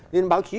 nên báo chí